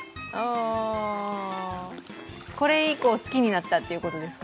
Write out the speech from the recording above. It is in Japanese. これ以降、好きになったということですか？